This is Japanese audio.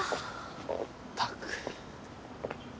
ったく。